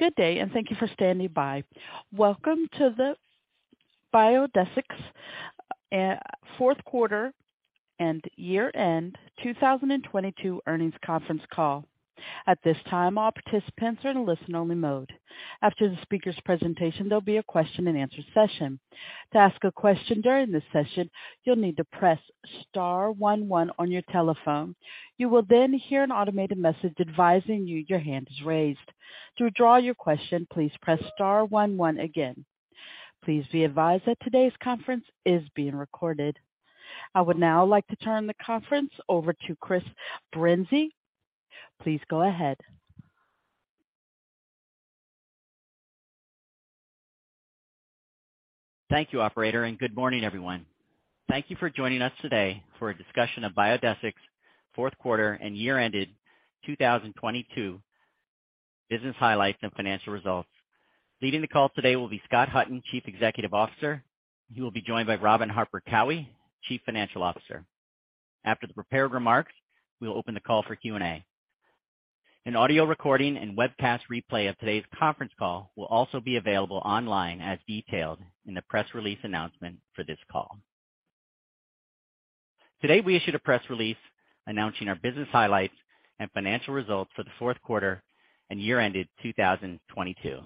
Good day. Thank you for standing by. Welcome to the Biodesix fourth quarter and year-end 2022 earnings conference call. At this time, all participants are in a listen only mode. After the speaker's presentation, there'll be a question and answer session. To ask a question during this session, you'll need to press star one one on your telephone. You will then hear an automated message advising you your hand is raised. To withdraw your question, please press star one one again. Please be advised that today's conference is being recorded. I would now like to turn the conference over to Chris Brinzey. Please go ahead. Thank you, operator, and good morning, everyone. Thank you for joining us today for a discussion of Biodesix fourth quarter and year-ended 2022 business highlights and financial results. Leading the call today will be Scott Hutton, Chief Executive Officer. He will be joined by Robin Harper Cowie, Chief Financial Officer. After the prepared remarks, we will open the call for Q&A. An audio recording and webcast replay of today's conference call will also be available online as detailed in the press release announcement for this call. Today, we issued a press release announcing our business highlights and financial results for the fourth quarter and year-ended 2022.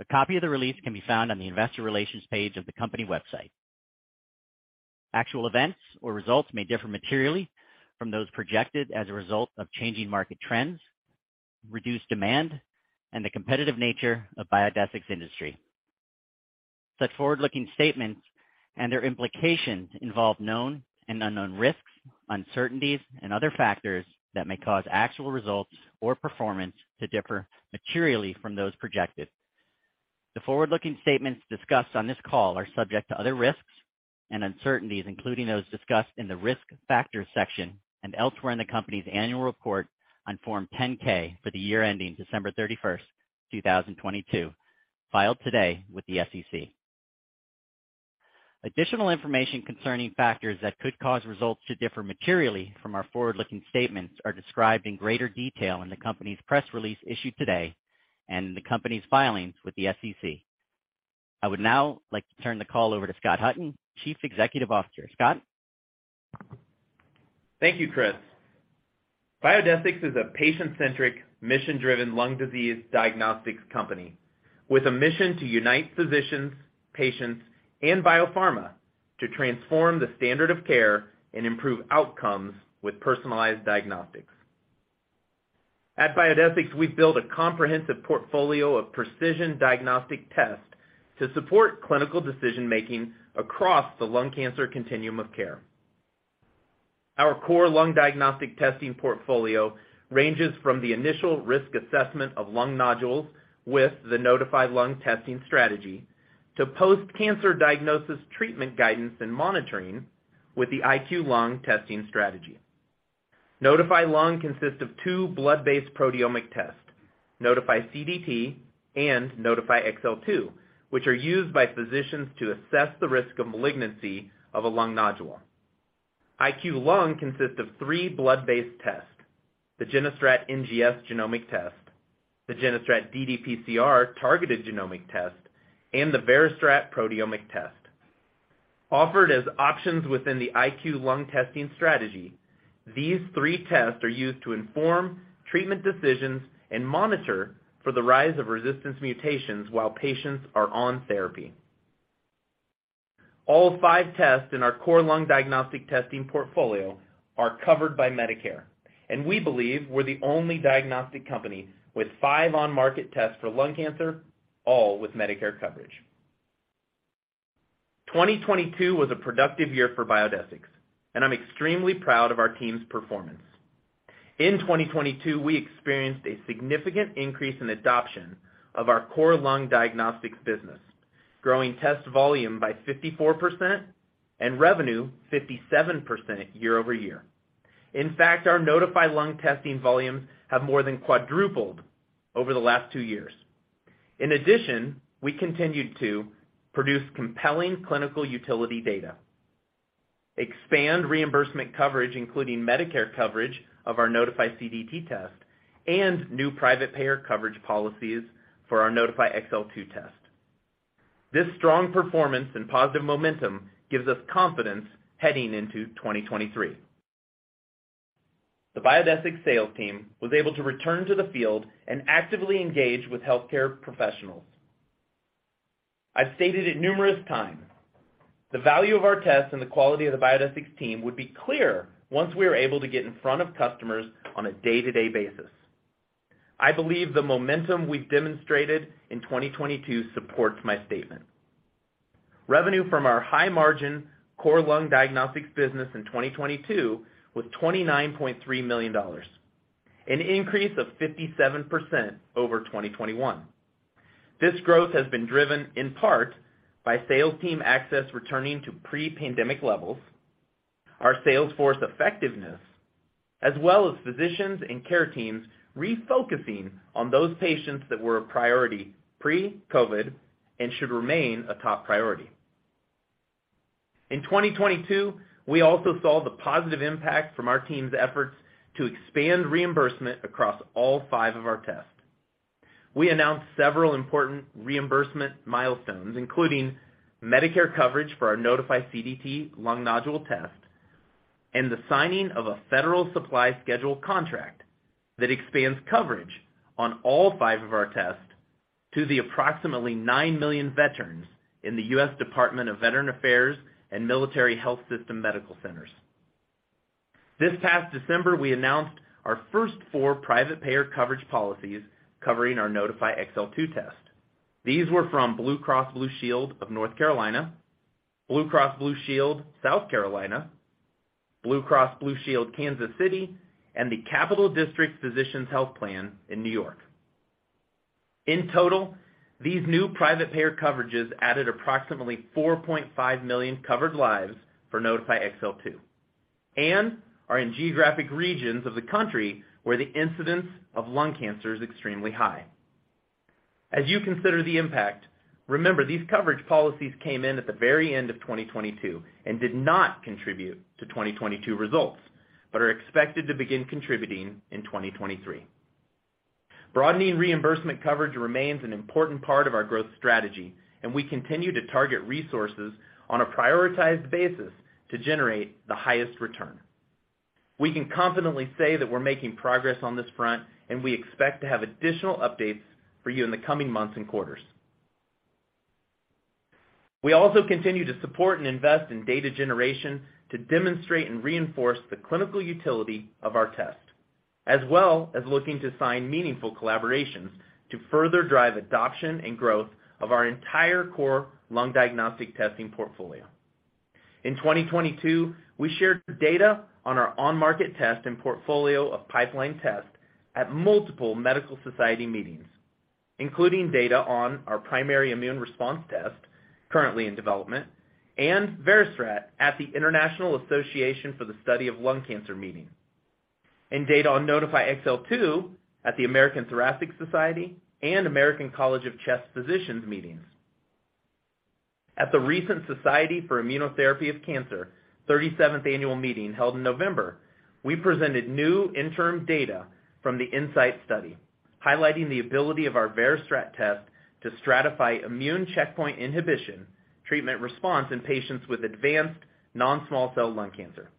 A copy of the release can be found on the investor relations page of the company website. Actual events or results may differ materially from those projected as a result of changing market trends, reduced demand, and the competitive nature of Biodesix industry. Such forward-looking statements and their implications involve known and unknown risks, uncertainties, and other factors that may cause actual results or performance to differ materially from those projected. The forward-looking statements discussed on this call are subject to other risks and uncertainties, including those discussed in the Risk Factors section and elsewhere in the company's annual report on Form 10-K for the year ending December 31, 2022, filed today with the SEC. Additional information concerning factors that could cause results to differ materially from our forward-looking statements are described in greater detail in the company's press release issued today and in the company's filings with the SEC. I would now like to turn the call over to Scott Hutton, Chief Executive Officer. Scott. Thank you, Chris. Biodesix is a patient-centric, mission-driven lung disease diagnostics company with a mission to unite physicians, patients, and biopharma to transform the standard of care and improve outcomes with personalized diagnostics. At Biodesix, we've built a comprehensive portfolio of precision diagnostic tests to support clinical decision-making across the lung cancer continuum of care. Our core lung diagnostic testing portfolio ranges from the initial risk assessment of lung nodules with the Nodify Lung testing strategy to post-cancer diagnosis treatment guidance and monitoring with the IQLung testing strategy. Nodify Lung consists of two blood-based proteomic tests, Nodify CDT and Nodify XL2, which are used by physicians to assess the risk of malignancy of a lung nodule. IQLung consists of three blood-based tests: the GeneStrat NGS genomic test, the GeneStrat ddPCR targeted genomic test, and the VeriStrat proteomic test. Offered as options within the IQLung testing strategy, these three tests are used to inform treatment decisions and monitor for the rise of resistance mutations while patients are on therapy. All five tests in our core lung diagnostic testing portfolio are covered by Medicare, and we believe we're the only diagnostic company with five on-market tests for lung cancer, all with Medicare coverage. 2022 was a productive year for Biodesix, and I'm extremely proud of our team's performance. In 2022, we experienced a significant increase in adoption of our core lung diagnostics business, growing test volume by 54% and revenue 57% year-over-year. In fact, our Nodify Lung testing volumes have more than quadrupled over the last 2 years. In addition, we continued to produce compelling clinical utility data, expand reimbursement coverage, including Medicare coverage of our Nodify CDT test and new private payer coverage policies for our Nodify XL2 test. This strong performance and positive momentum gives us confidence heading into 2023. The Biodesix sales team was able to return to the field and actively engage with healthcare professionals. I've stated it numerous times, the value of our tests and the quality of the Biodesix team would be clear once we are able to get in front of customers on a day-to-day basis. I believe the momentum we've demonstrated in 2022 supports my statement. Revenue from our high-margin, core lung diagnostics business in 2022 was $29.3 million, an increase of 57% over 2021. This growth has been driven in part by sales team access returning to pre-pandemic levels, our sales force effectiveness, as well as physicians and care teams refocusing on those patients that were a priority pre-COVID and should remain a top priority. In 2022, we also saw the positive impact from our team's efforts to expand reimbursement across all five of our tests. We announced several important reimbursement milestones, including Medicare coverage for our Nodify CDT lung nodule test and the signing of a Federal Supply Schedule contract that expands coverage on all five of our tests to the approximately 9 million veterans in the U.S. Department of Veterans Affairs and Military Health System medical centers. This past December, we announced our first four private payer coverage policies covering our Nodify XL2 test. These were from Blue Cross and Blue Shield of North Carolina, BlueCross BlueShield of South Carolina, Blue Cross and Blue Shield of Kansas City, and the Capital District Physicians' Health Plan in New York. In total, these new private payer coverages added approximately 4.5 million covered lives for Nodify XL2 and are in geographic regions of the country where the incidence of lung cancer is extremely high. As you consider the impact, remember these coverage policies came in at the very end of 2022 and did not contribute to 2022 results, but are expected to begin contributing in 2023. Broadening reimbursement coverage remains an important part of our growth strategy, and we continue to target resources on a prioritized basis to generate the highest return. We can confidently say that we're making progress on this front, and we expect to have additional updates for you in the coming months and quarters. We also continue to support and invest in data generation to demonstrate and reinforce the clinical utility of our test, as well as looking to sign meaningful collaborations to further drive adoption and growth of our entire core lung diagnostic testing portfolio. In 2022, we shared data on our on-market test and portfolio of pipeline tests at multiple medical society meetings, including data on our Primary Immune Response test currently in development and VeriStrat at the International Association for the Study of Lung Cancer meeting and data on Nodify XL2 at the American Thoracic Society and American College of Chest Physicians meetings. At the recent Society for Immunotherapy of Cancer 37th annual meeting held in November, we presented new interim data from the INSIGHT study, highlighting the ability of our VeriStrat test to stratify immune checkpoint inhibition treatment response in patients with advanced non-small cell lung cancer.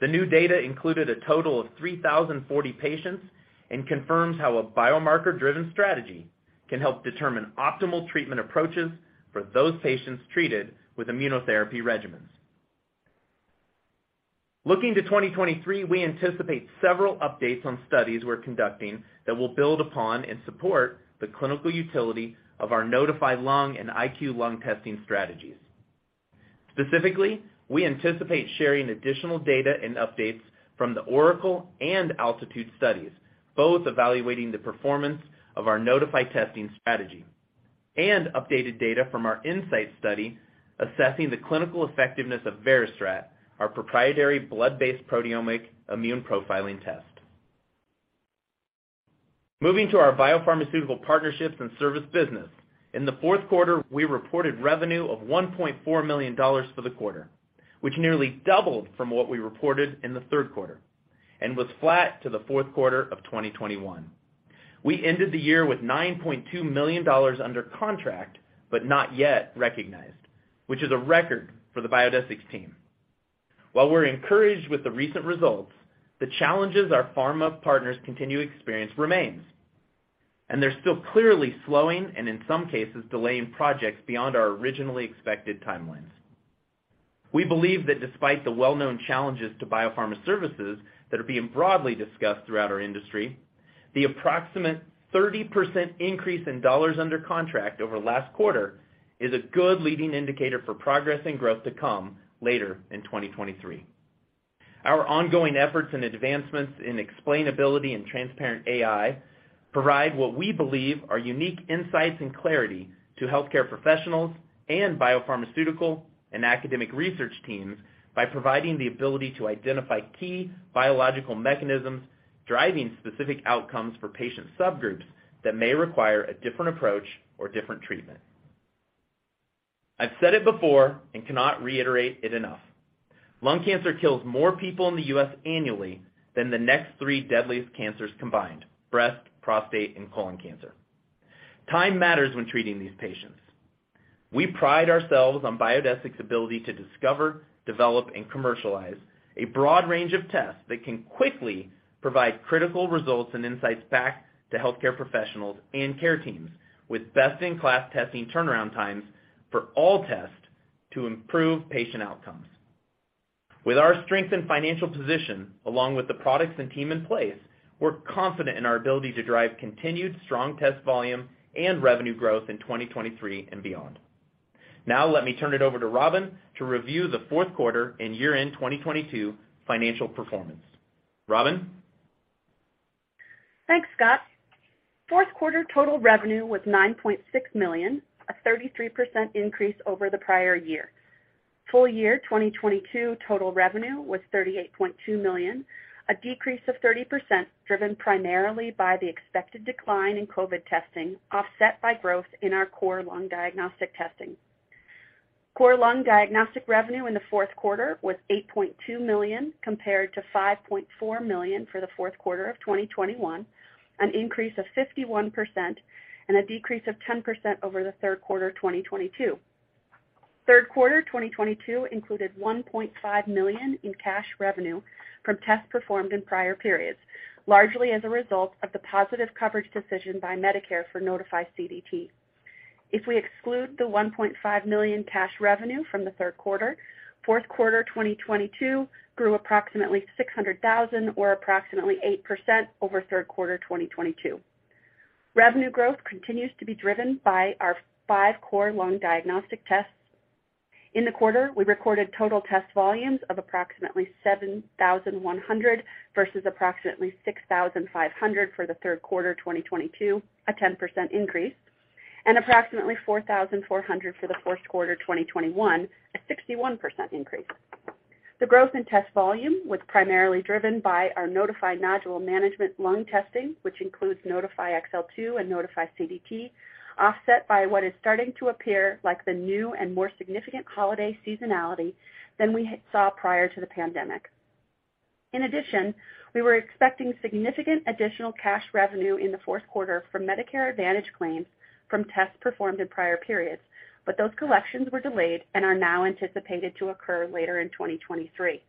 The new data included a total of 3,040 patients and confirms how a biomarker-driven strategy can help determine optimal treatment approaches for those patients treated with immunotherapy regimens. Looking to 2023, we anticipate several updates on studies we're conducting that will build upon and support the clinical utility of our Nodify Lung and IQLung testing strategies. Specifically, we anticipate sharing additional data and updates from the ORACLE and ALTITUDE studies, both evaluating the performance of our Nodify testing strategy and updated data from our INSIGHT study assessing the clinical effectiveness of VeriStrat, our proprietary blood-based proteomic immune profiling test. Moving to our biopharmaceutical partnerships and service business, in the fourth quarter, we reported revenue of $1.4 million for the quarter, which nearly doubled from what we reported in the third quarter and was flat to the fourth quarter of 2021. We ended the year with $9.2 million under contract but not yet recognized, which is a record for the Biodesix team. While we're encouraged with the recent results, the challenges our pharma partners continue to experience remains, they're still clearly slowing and, in some cases, delaying projects beyond our originally expected timelines. We believe that despite the well-known challenges to biopharma services that are being broadly discussed throughout our industry, the approximate 30% increase in dollars under contract over last quarter is a good leading indicator for progress and growth to come later in 2023. Our ongoing efforts and advancements in explainability and transparent AI provide what we believe are unique insights and clarity to healthcare professionals and biopharmaceutical and academic research teams by providing the ability to identify key biological mechanisms driving specific outcomes for patient subgroups that may require a different approach or different treatment. I've said it before and cannot reiterate it enough. Lung cancer kills more people in the U.S. annually than the next three deadliest cancers combined: breast, prostate, and colon cancer. Time matters when treating these patients. We pride ourselves on Biodesix's ability to discover, develop, and commercialize a broad range of tests that can quickly provide critical results and insights back to healthcare professionals and care teams with best-in-class testing turnaround times for all tests to improve patient outcomes. With our strength and financial position, along with the products and team in place, we're confident in our ability to drive continued strong test volume and revenue growth in 2023 and beyond. Let me turn it over to Robin to review the fourth quarter and year-end 2022 financial performance. Robin? Thanks, Scott. Fourth quarter total revenue was $9.6 million, a 33% increase over the prior year. Full year 2022 total revenue was $38.2 million, a decrease of 30% driven primarily by the expected decline in COVID testing, offset by growth in our core lung diagnostic testing. Core lung diagnostic revenue in the fourth quarter was $8.2 million compared to $5.4 million for the fourth quarter of 2021, an increase of 51% and a decrease of 10% over the third quarter 2022. Third quarter 2022 included $1.5 million in cash revenue from tests performed in prior periods, largely as a result of the positive coverage decision by Medicare for Nodify CDT. If we exclude the $1.5 million cash revenue from the third quarter, fourth quarter 2022 grew approximately $600,000 or approximately 8% over third quarter 2022. Revenue growth continues to be driven by our five core lung diagnostic tests. In the quarter, we recorded total test volumes of approximately 7,100 versus approximately 6,500 for the third quarter 2022, a 10% increase, and approximately 4,400 for the first quarter 2021, a 61% increase. The growth in test volume was primarily driven by our Nodify Nodule management lung testing, which includes Nodify XL2 and Nodify CDT, offset by what is starting to appear like the new and more significant holiday seasonality than we saw prior to the pandemic. In addition, we were expecting significant additional cash revenue in the fourth quarter from Medicare Advantage claims from tests performed in prior periods, but those collections were delayed and are now anticipated to occur later in 2023.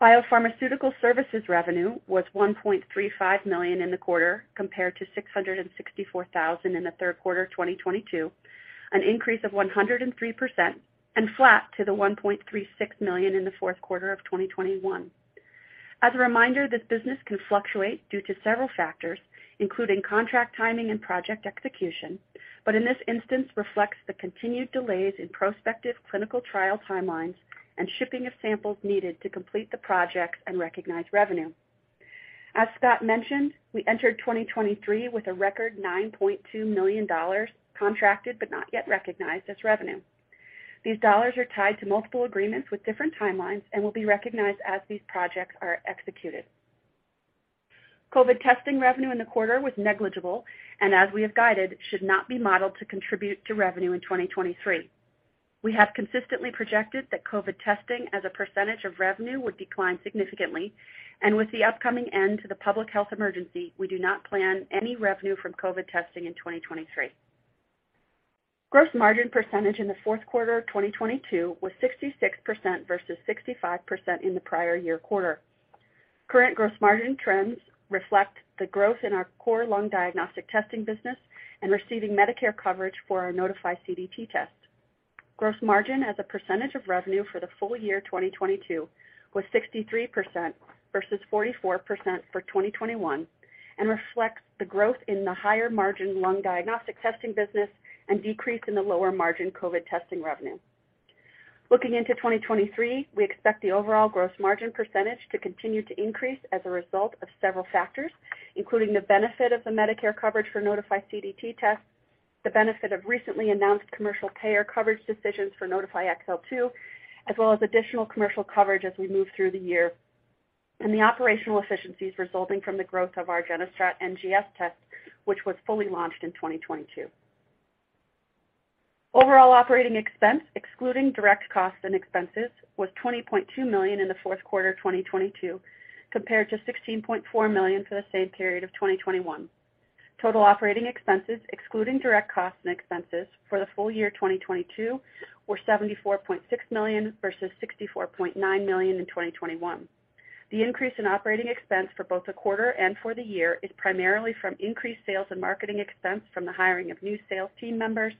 Biopharmaceutical services revenue was $1.35 million in the quarter compared to $664,000 in the third quarter of 2022, an increase of 103% and flat to the $1.36 million in the fourth quarter of 2021. As a reminder, this business can fluctuate due to several factors, including contract timing and project execution, but in this instance reflects the continued delays in prospective clinical trial timelines and shipping of samples needed to complete the projects and recognize revenue. As Scott mentioned, we entered 2023 with a record $9.2 million contracted but not yet recognized as revenue. These dollars are tied to multiple agreements with different timelines and will be recognized as these projects are executed. COVID testing revenue in the quarter was negligible, and as we have guided, should not be modeled to contribute to revenue in 2023. We have consistently projected that COVID testing as a percentage of revenue would decline significantly, and with the upcoming end to the public health emergency, we do not plan any revenue from COVID testing in 2023. Gross margin percentage in the fourth quarter of 2022 was 66% versus 65% in the prior year quarter. Current gross margin trends reflect the growth in our core lung diagnostic testing business and receiving Medicare coverage for our Nodify CDT test. Gross margin as a percentage of revenue for the full year 2022 was 63% versus 44% for 2021 and reflects the growth in the higher margin lung diagnostic testing business and decrease in the lower margin COVID testing revenue. Looking into 2023, we expect the overall gross margin percentage to continue to increase as a result of several factors, including the benefit of the Medicare coverage for Nodify CDT tests, the benefit of recently announced commercial payer coverage decisions for Nodify XL2, as well as additional commercial coverage as we move through the year, and the operational efficiencies resulting from the growth of our GeneStrat NGS test, which was fully launched in 2022. Overall operating expense, excluding direct costs and expenses, was $20.2 million in the fourth quarter of 2022, compared to $16.4 million for the same period of 2021. Total operating expenses, excluding direct costs and expenses for the full year 2022, were $74.6 million versus $64.9 million in 2021. The increase in operating expense for both the quarter and for the year is primarily from increased sales and marketing expense from the hiring of new sales team members,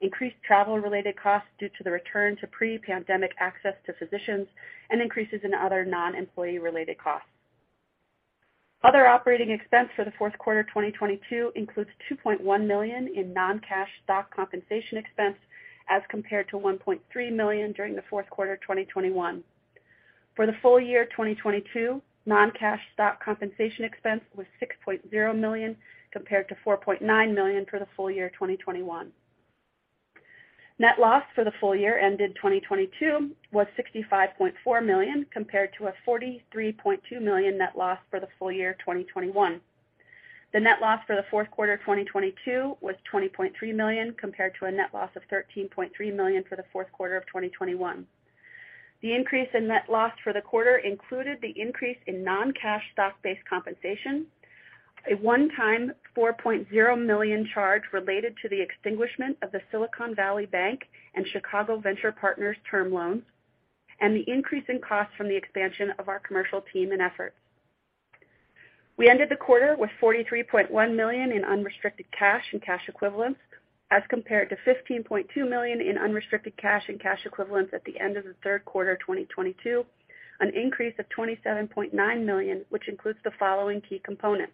increased travel-related costs due to the return to pre-pandemic access to physicians, and increases in other non-employee-related costs. Other operating expense for the fourth quarter 2022 includes $2.1 million in non-cash stock compensation expense as compared to $1.3 million during the fourth quarter of 2021. For the full year 2022, non-cash stock compensation expense was $6.0 million compared to $4.9 million for the full year 2021. Net loss for the full year ended 2022 was $65.4 million compared to a $43.2 million net loss for the full year of 2021. The net loss for the fourth quarter of 2022 was $20.3 million compared to a net loss of $13.3 million for the fourth quarter of 2021. The increase in net loss for the quarter included the increase in non-cash stock-based compensation, a one-time $4.0 million charge related to the extinguishment of the Silicon Valley Bank and Chicago Venture Partners term loans, and the increase in cost from the expansion of our commercial team and efforts. We ended the quarter with $43.1 million in unrestricted cash and cash equivalents as compared to $15.2 million in unrestricted cash and cash equivalents at the end of the third quarter of 2022, an increase of $27.9 million, which includes the following key components.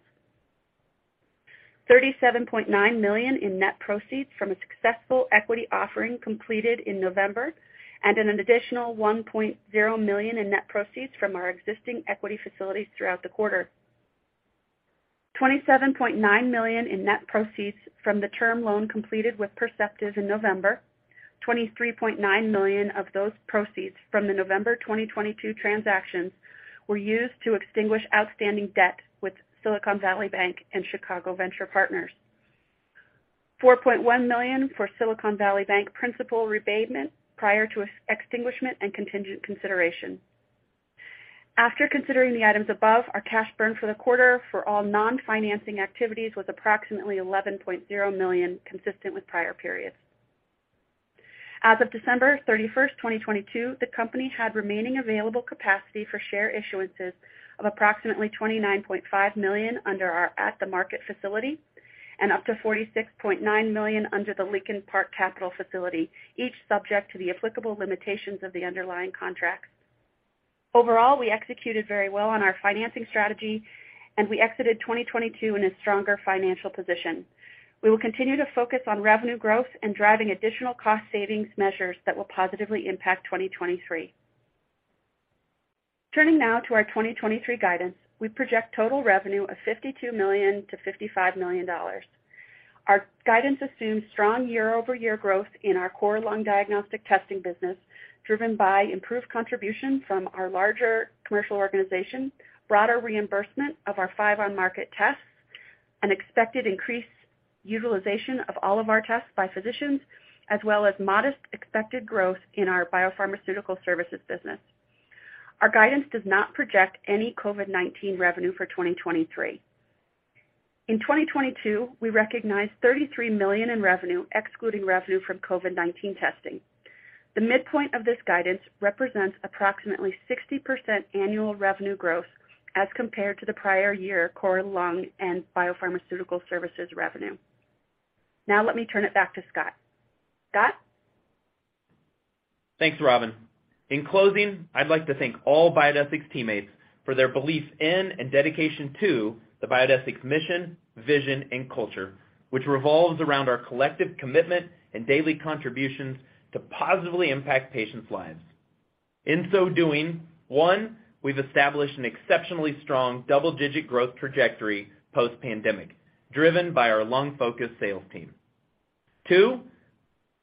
$37.9 million in net proceeds from a successful equity offering completed in November, and an additional $1.0 million in net proceeds from our existing equity facilities throughout the quarter. $27.9 million in net proceeds from the term loan completed with Perceptive in November. $23.9 million of those proceeds from the November 2022 transactions were used to extinguish outstanding debt with Silicon Valley Bank and Chicago Venture Partners. $4.1 million for Silicon Valley Bank principal rebatement prior to extinguishment and contingent consideration. After considering the items above, our cash burn for the quarter for all non-financing activities was approximately $11.0 million, consistent with prior periods. As of December 31st, 2022, the company had remaining available capacity for share issuances of approximately $29.5 million under our at-the-market facility and up to $46.9 million under the Lincoln Park Capital facility, each subject to the applicable limitations of the underlying contracts. Overall, we executed very well on our financing strategy, and we exited 2022 in a stronger financial position. We will continue to focus on revenue growth and driving additional cost savings measures that will positively impact 2023. Turning now to our 2023 guidance, we project total revenue of $52 million-$55 million. Our guidance assumes strong year-over-year growth in our core lung diagnostic testing business, driven by improved contribution from our larger commercial organization, broader reimbursement of our five on-market tests, an expected increased utilization of all of our tests by physicians, as well as modest expected growth in our biopharmaceutical services business. Our guidance does not project any COVID-19 revenue for 2023. In 2022, we recognized $33 million in revenue, excluding revenue from COVID-19 testing. The midpoint of this guidance represents approximately 60% annual revenue growth as compared to the prior year core lung and biopharmaceutical services revenue. Let me turn it back to Scott. Scott? Thanks, Robin. In closing, I'd like to thank all Biodesix teammates for their belief in and dedication to the Biodesix mission, vision, and culture, which revolves around our collective commitment and daily contributions to positively impact patients' lives. In so doing, one, we've established an exceptionally strong double-digit growth trajectory post-pandemic, driven by our lung-focused sales team. Two,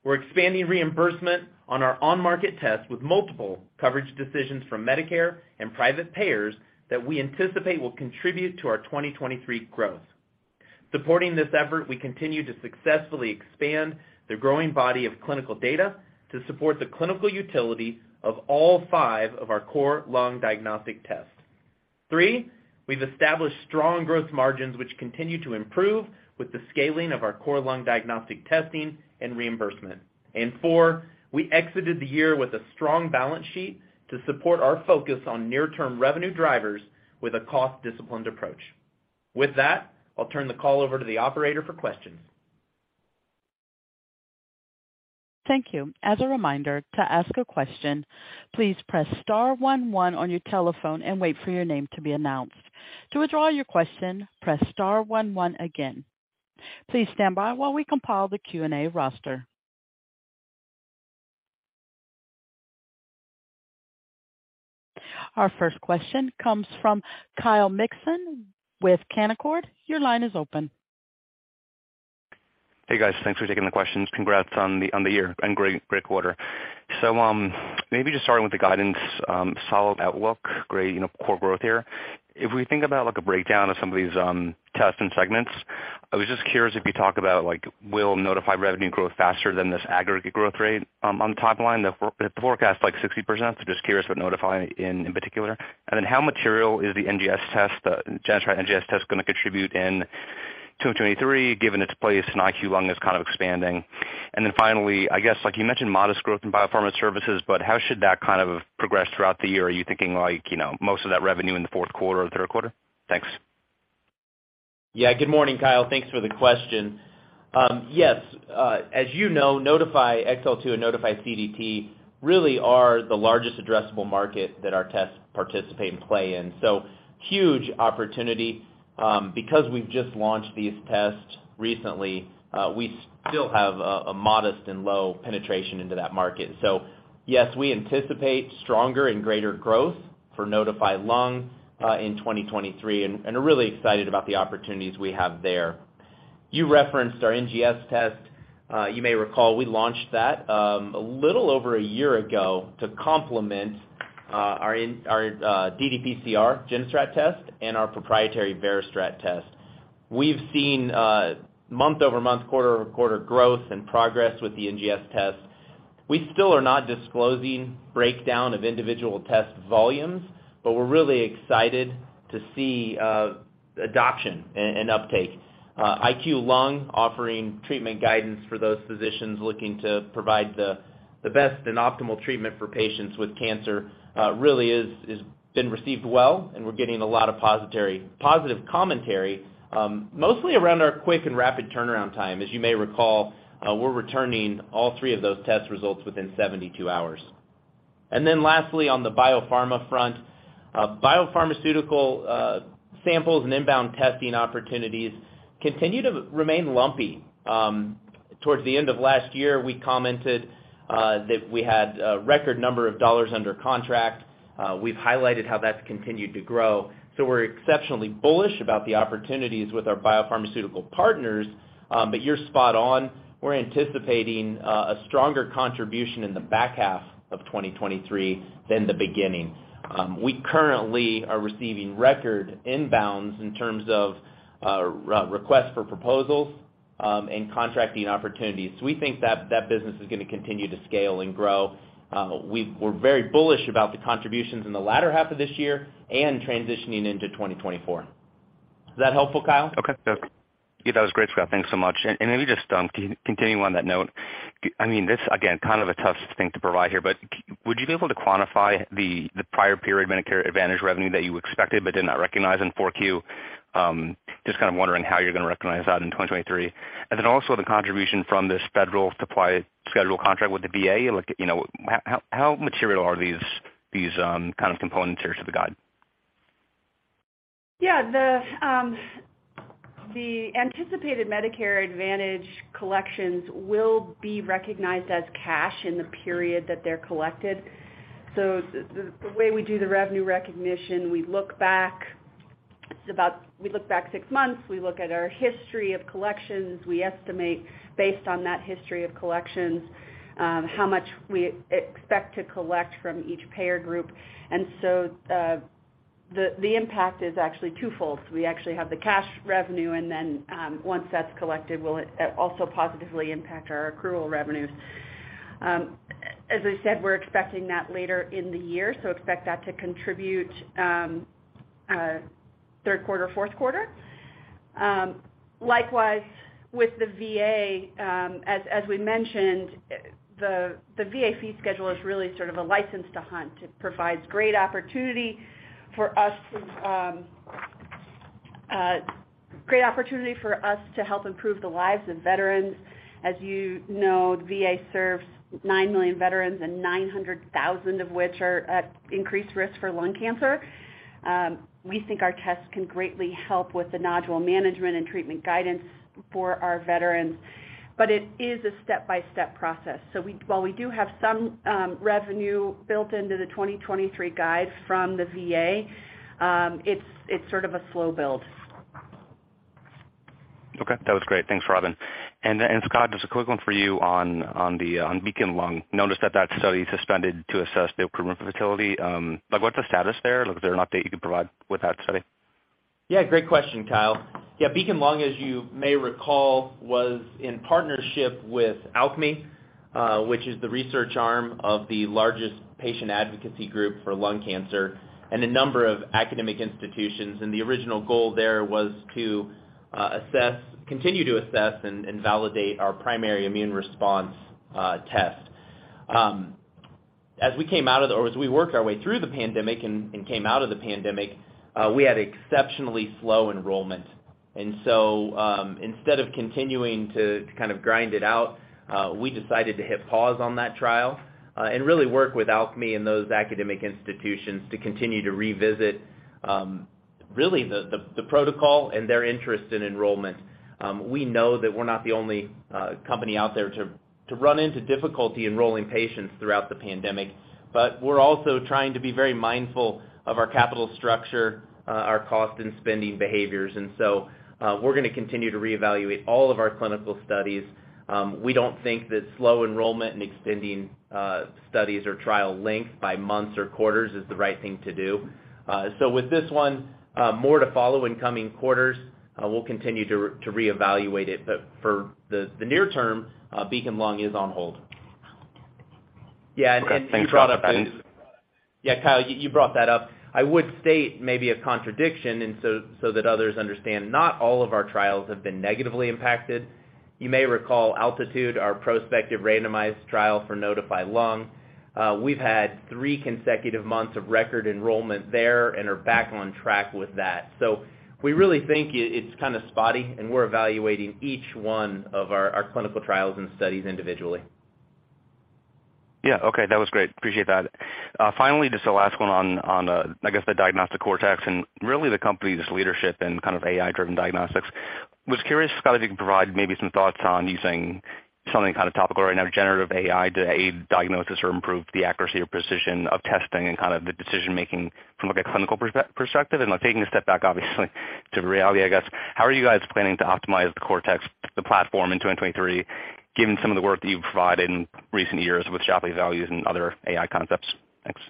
we're expanding reimbursement on our on-market tests with multiple coverage decisions from Medicare and private payers that we anticipate will contribute to our 2023 growth. Supporting this effort, we continue to successfully expand the growing body of clinical data to support the clinical utility of all five of our core lung diagnostic tests. Three, we've established strong growth margins, which continue to improve with the scaling of our core lung diagnostic testing and reimbursement. Four, we exited the year with a strong balance sheet to support our focus on near-term revenue drivers with a cost-disciplined approach. With that, I'll turn the call over to the operator for questions. Thank you. As a reminder, to ask a question, please press star one one on your telephone and wait for your name to be announced. To withdraw your question, press star one one again. Please stand by while we compile the Q&A roster. Our first question comes from Kyle Mikson with Canaccord. Your line is open. Hey, guys. Thanks for taking the questions. Congrats on the year and great quarter. Maybe just starting with the guidance, solid outlook, great, you know, core growth here. If we think about like a breakdown of some of these tests and segments, I was just curious if you talk about like, will Nodify revenue growth faster than this aggregate growth rate on the top line, the forecast like 60%. Just curious what Nodify in particular. How material is the NGS test, the GeneStrat NGS test gonna contribute in 2023, given its place in IQLung is kind of expanding? Finally, I guess like you mentioned, modest growth in biopharma services, but how should that kind of progress throughout the year? Are you thinking like, you know, most of that revenue in the fourth quarter or third quarter? Thanks. Good morning, Kyle. Thanks for the question. Yes, as you know, Nodify XL2 and Nodify CDT really are the largest addressable market that our tests participate and play in. Huge opportunity. Because we've just launched these tests recently, we still have a modest and low penetration into that market. Yes, we anticipate stronger and greater growth for Nodify Lung in 2023, and are really excited about the opportunities we have there. You referenced our NGS test. You may recall we launched that a little over a year ago to complement our GeneStrat ddPCR test and our proprietary VeriStrat test. We've seen month-over-month, quarter-over-quarter growth and progress with the NGS test. We still are not disclosing breakdown of individual test volumes. We're really excited to see adoption and uptake. IQLung offering treatment guidance for those physicians looking to provide the best and optimal treatment for patients with cancer, really is been received well, and we're getting a lot of positive commentary, mostly around our quick and rapid turnaround time. As you may recall, we're returning all 3 of those test results within 72 hours. Lastly, on the biopharma front, biopharmaceutical samples and inbound testing opportunities continue to remain lumpy. Towards the end of last year, we commented that we had a record number of dollars under contract. We've highlighted how that's continued to grow. We're exceptionally bullish about the opportunities with our biopharmaceutical partners. You're spot on. We're anticipating a stronger contribution in the back half of 2023 than the beginning. We currently are receiving record inbounds in terms of requests for proposals, and contracting opportunities. We think that that business is gonna continue to scale and grow. We're very bullish about the contributions in the latter half of this year and transitioning into 2024. Is that helpful, Kyle? Okay. Yeah, that was great, Scott. Thanks so much. Maybe just continuing on that note. I mean, this, again, kind of a tough thing to provide here, but would you be able to quantify the prior period Medicare Advantage revenue that you expected but did not recognize in 4Q? Just kind of wondering how you're gonna recognize that in 2023. Then also the contribution from this federal supply schedule contract with the VA. Like, you know, how material are these kind of components here to the guide? Yeah. The anticipated Medicare Advantage collections will be recognized as cash in the period that they're collected. The way we do the revenue recognition, we look back. We look back 6 months. We look at our history of collections. We estimate based on that history of collections, how much we expect to collect from each payer group. The impact is actually twofold. We actually have the cash revenue, and then, once that's collected, will also positively impact our accrual revenues. As I said, we're expecting that later in the year, so expect that to contribute third quarter, fourth quarter. Likewise with the VA, as we mentioned, the VA fee schedule is really sort of a license to hunt. It provides great opportunity for us to help improve the lives of veterans. As you know, VA serves 9 million veterans and 900,000 of which are at increased risk for lung cancer. We think our tests can greatly help with the nodule management and treatment guidance for our veterans. It is a step-by-step process. While we do have some revenue built into the 2023 guide from the VA, it's sort of a slow build. Okay. That was great. Thanks, Robin. Scott, just a quick one for you on the BEACON-LUNG. Noticed that that study suspended to assess the recruitment fertility. Like what's the status there? Like, is there an update you can provide with that study? Yeah, great question, Kyle. BEACON-LUNG, as you may recall, was in partnership with ALCMI, which is the research arm of the largest patient advocacy group for lung cancer and a number of academic institutions. The original goal there was to continue to assess and validate our Primary Immune Response test. As we worked our way through the pandemic and came out of the pandemic, we had exceptionally slow enrollment. Instead of continuing to kind of grind it out, we decided to hit pause on that trial and really work with ALCMI and those academic institutions to continue to revisit really the protocol and their interest in enrollment. We know that we're not the only company out there to run into difficulty enrolling patients throughout the pandemic, but we're also trying to be very mindful of our capital structure, our cost and spending behaviors. We're gonna continue to reevaluate all of our clinical studies. We don't think that slow enrollment and extending studies or trial length by months or quarters is the right thing to do. With this one, more to follow in coming quarters, we'll continue to reevaluate it. For the near term, BEACON-LUNG is on hold. Yeah. Okay. Thanks for that, Scott. Yeah, Kyle, you brought that up. I would state maybe a contradiction and so that others understand, not all of our trials have been negatively impacted. You may recall ALTITUDE, our prospective randomized trial for Nodify Lung. We've had three consecutive months of record enrollment there and are back on track with that. We really think it's kind of spotty, and we're evaluating each one of our clinical trials and studies individually. Yeah. Okay. That was great. Appreciate that. Finally, just the last one on, I guess the Diagnostic Cortex and really the company's leadership in kind of AI-driven diagnostics. Was curious, Scott, if you can provide maybe some thoughts on using something kind of topical right now, generative AI, to aid diagnosis or improve the accuracy or precision of testing and kind of the decision-making from, like, a clinical perspective. Taking a step back, obviously, to reality, I guess, how are you guys planning to optimize the Cortex, the platform in 2023, given some of the work that you've provided in recent years with Shapley values and other AI concepts? Thanks.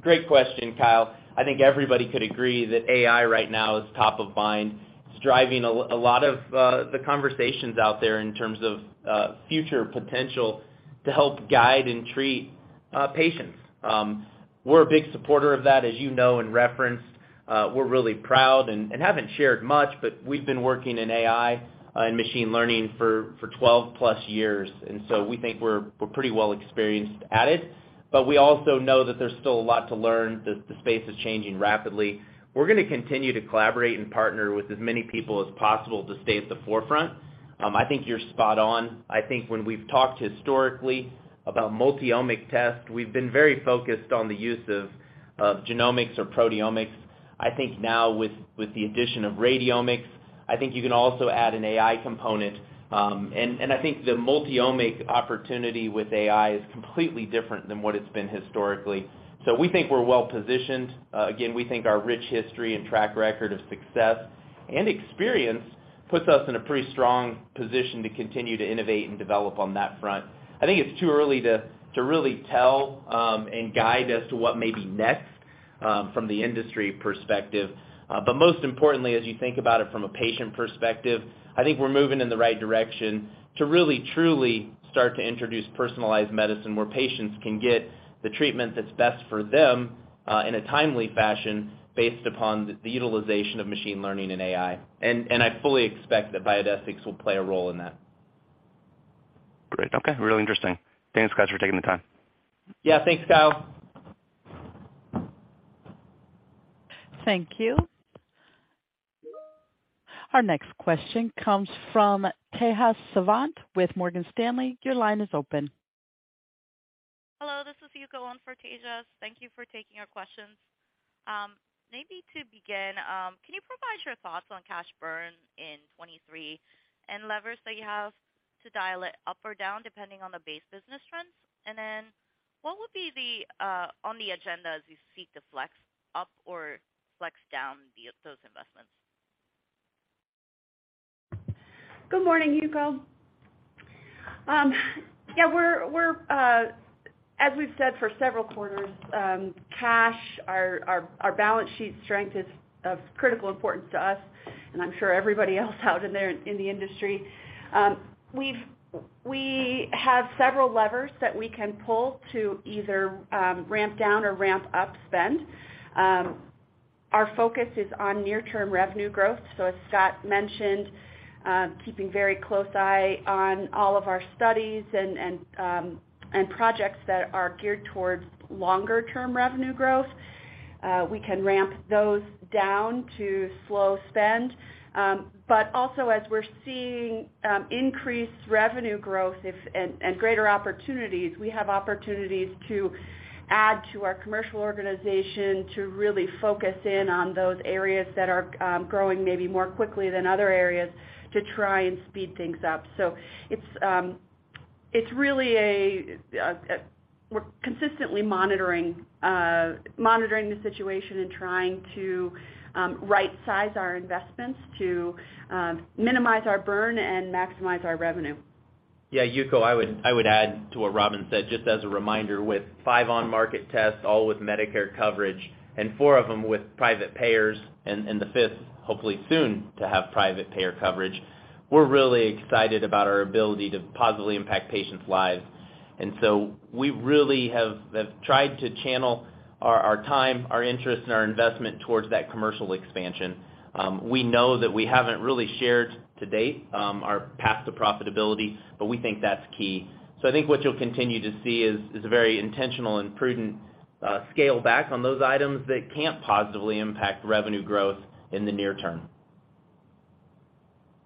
Great question, Kyle. I think everybody could agree that AI right now is top of mind. It's driving a lot of the conversations out there in terms of future potential to help guide and treat patients. We're a big supporter of that, as you know and referenced. We're really proud and haven't shared much, but we've been working in AI and machine learning for 12+ years, and so we think we're pretty well experienced at it. We also know that there's still a lot to learn, the space is changing rapidly. We're gonna continue to collaborate and partner with as many people as possible to stay at the forefront. I think you're spot on. I think when we've talked historically about multi-omic test, we've been very focused on the use of genomics or proteomics. I think now with the addition of radiomics, I think you can also add an AI component. I think the multi-omic opportunity with AI is completely different than what it's been historically. We think we're well-positioned. Again, we think our rich history and track record of success and experience puts us in a pretty strong position to continue to innovate and develop on that front. I think it's too early to really tell from the industry perspective. Most importantly, as you think about it from a patient perspective, I think we're moving in the right direction to really truly start to introduce personalized medicine where patients can get the treatment that's best for them in a timely fashion based upon the utilization of machine learning and AI. I fully expect that Biodesix will play a role in that. Great. Okay. Really interesting. Thanks, guys, for taking the time. Yeah. Thanks, Kyle. Thank you. Our next question comes from Tejas Savant with Morgan Stanley. Your line is open. Hello, this is Yuko on for Tejas. Thank you for taking our questions. Maybe to begin, can you provide your thoughts on cash burn in 2023 and levers that you have to dial it up or down depending on the base business trends? What would be the on the agenda as you seek to flex up or flex down the, those investments? Good morning, Yuko. As we've said for several quarters, cash, our balance sheet strength is of critical importance to us and I'm sure everybody else out in there in the industry. We have several levers that we can pull to either ramp down or ramp up spend. Our focus is on near term revenue growth. As Scott mentioned, keeping very close eye on all of our studies and projects that are geared towards longer term revenue growth. We can ramp those down to slow spend. Also as we're seeing increased revenue growth and greater opportunities, we have opportunities to add to our commercial organization to really focus in on those areas that are growing maybe more quickly than other areas to try and speed things up. It's really a, we're consistently monitoring the situation and trying to right size our investments to minimize our burn and maximize our revenue. Yeah, Yuko, I would add to what Robin said, just as a reminder, with five on market tests, all with Medicare coverage and four of them with private payers and the fifth hopefully soon to have private payer coverage, we're really excited about our ability to positively impact patients' lives. we really have tried to channel our time, our interests and our investment towards that commercial expansion. we know that we haven't really shared to date, our path to profitability, but we think that's key. I think what you'll continue to see is a very intentional and prudent scale back on those items that can't positively impact revenue growth in the near term.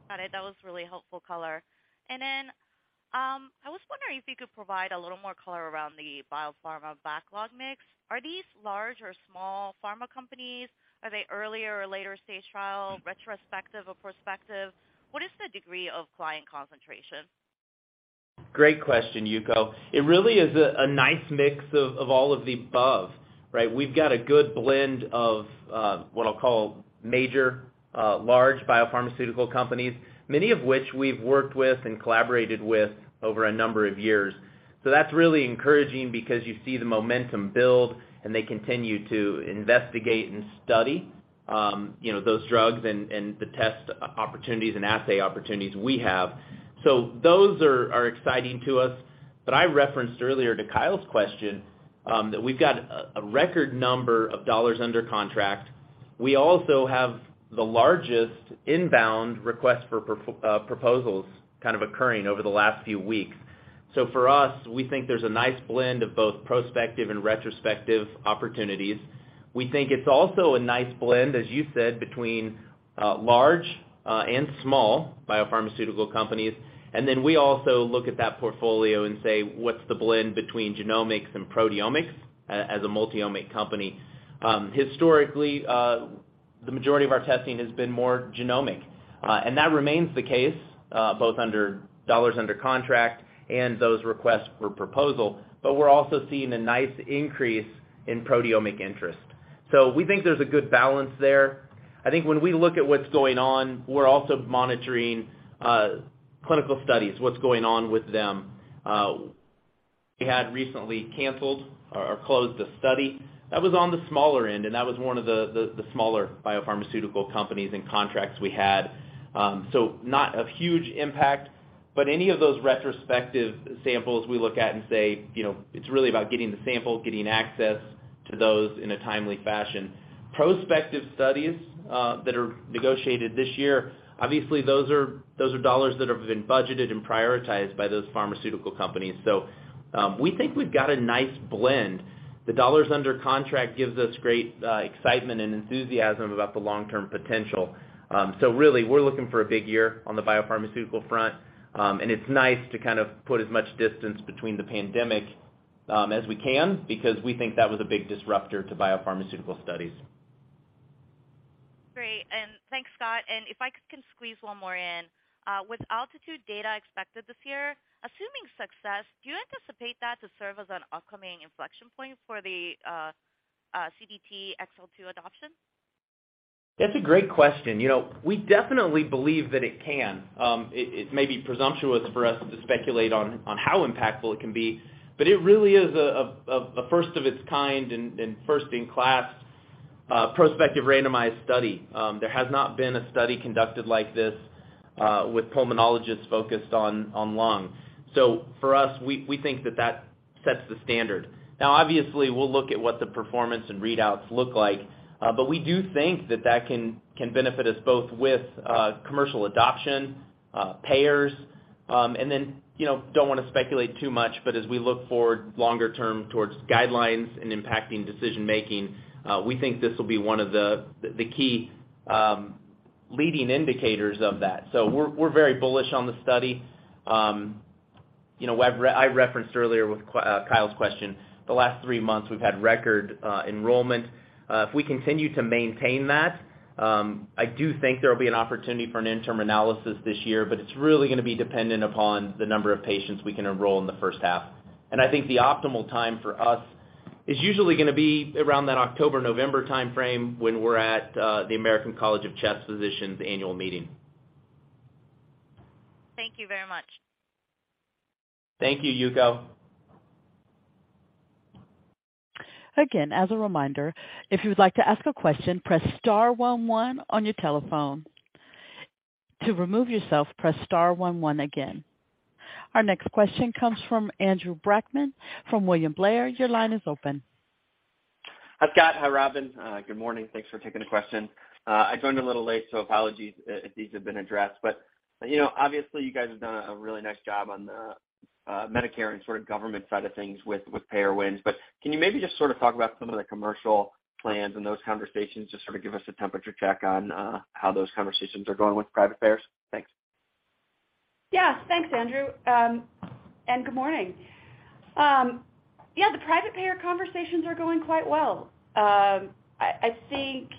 Got it. That was really helpful color. I was wondering if you could provide a little more color around the biopharma backlog mix. Are these large or small pharma companies? Are they earlier or later stage trial, retrospective or prospective? What is the degree of client concentration? Great question, Yuko. It really is a nice mix of all of the above, right? We've got a good blend of what I'll call major, large biopharmaceutical companies, many of which we've worked with and collaborated with over a number of years. That's really encouraging because you see the momentum build and they continue to investigate and study, you know, those drugs and the test opportunities and assay opportunities we have. Those are exciting to us. I referenced earlier to Kyle's question that we've got a record number of dollars under contract. We also have the largest inbound request for proposals kind of occurring over the last few weeks. For us, we think there's a nice blend of both prospective and retrospective opportunities. We think it's also a nice blend, as you said, between large and small biopharmaceutical companies. We also look at that portfolio and say, what's the blend between genomics and proteomics as a multi-omic company. Historically, the majority of our testing has been more genomic, and that remains the case, both under dollars under contract and those requests for proposal. We're also seeing a nice increase in proteomic interest. We think there's a good balance there. When we look at what's going on, we're also monitoring clinical studies, what's going on with them. We had recently canceled or closed a study. That was on the smaller end, and that was one of the smaller biopharmaceutical companies and contracts we had. Not a huge impact, but any of those retrospective samples we look at and say, you know, it's really about getting the sample, getting access to those in a timely fashion. Prospective studies that are negotiated this year, obviously those are dollars that have been budgeted and prioritized by those pharmaceutical companies. We think we've got a nice blend. The dollars under contract gives us great excitement and enthusiasm about the long-term potential. Really we're looking for a big year on the biopharmaceutical front. It's nice to kind of put as much distance between the pandemic as we can because we think that was a big disruptor to biopharmaceutical studies. Great. Thanks, Scott. If I can squeeze one more in, with ALTITUDE data expected this year, assuming success, do you anticipate that to serve as an upcoming inflection point for the CDT-XL2 adoption? That's a great question. You know, we definitely believe that it can. It may be presumptuous for us to speculate on how impactful it can be, but it really is a first of its kind and first in class prospective randomized study. There has not been a study conducted like this with pulmonologists focused on lung. For us, we think that sets the standard. Obviously, we'll look at what the performance and readouts look like, but we do think that can benefit us both with commercial adoption, payers, and then, you know, don't wanna speculate too much, but as we look forward longer term towards guidelines and impacting decision-making, we think this will be one of the key leading indicators of that. we're very bullish on the study. you know, we've I referenced earlier with Kyle's question, the last 3 months we've had record enrollment. If we continue to maintain that, I do think there will be an opportunity for an interim analysis this year, but it's really gonna be dependent upon the number of patients we can enroll in the first half. I think the optimal time for us is usually gonna be around that October-November timeframe when we're at the American College of Chest Physicians annual meeting. Thank you very much. Thank you, Yuko. Again, as a reminder, if you would like to ask a question, press star one one on your telephone. To remove yourself, press star one one again. Our next question comes from Andrew Brackmann from William Blair. Your line is open. Hi, Scott. Hi, Robin. Good morning. Thanks for taking the question. I joined a little late, so apologies if these have been addressed. You know, obviously, you guys have done a really nice job on the Medicare and sort of government side of things with payer wins. Can you maybe just sort of talk about some of the commercial plans and those conversations? Just sort of give us a temperature check on how those conversations are going with private payers. Thanks. Yeah. Thanks, Andrew. Good morning. Yeah, the private payer conversations are going quite well. I think,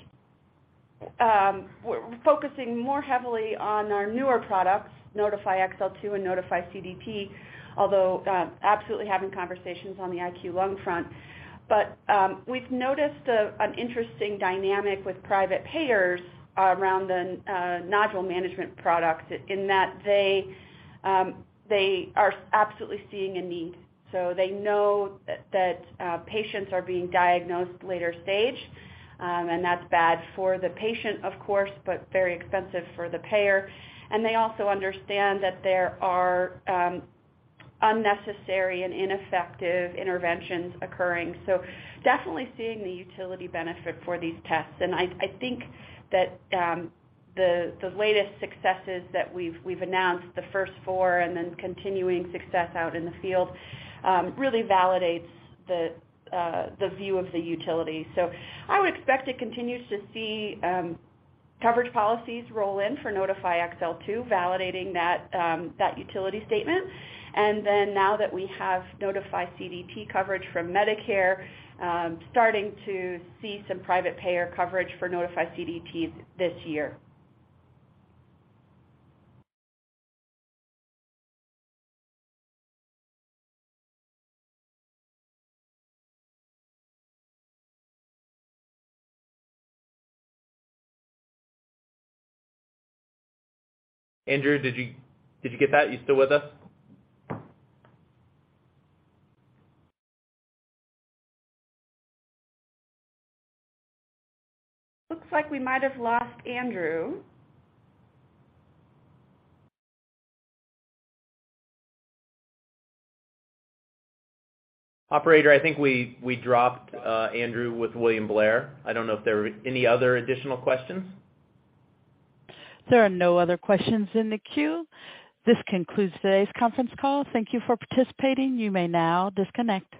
we're focusing more heavily on our newer products, Nodify XL2 and Nodify CDT, although, absolutely having conversations on the IQLung front. We've noticed a, an interesting dynamic with private payers around the nodule management product in that they are absolutely seeing a need. They know that, patients are being diagnosed later stage, and that's bad for the patient, of course, but very expensive for the payer. They also understand that there are unnecessary and ineffective interventions occurring. Definitely seeing the utility benefit for these tests. I think that the latest successes that we've announced, the first four and then continuing success out in the field, really validates the view of the utility. I would expect to continue to see coverage policies roll in for Nodify XL2, validating that utility statement. Now that we have Nodify CDT coverage from Medicare, starting to see some private payer coverage for Nodify CDTs this year. Andrew, did you get that? You still with us? Looks like we might have lost Andrew. Operator, I think we dropped Andrew with William Blair. I don't know if there are any other additional questions. There are no other questions in the queue. This concludes today's conference call. Thank you for participating. You may now disconnect.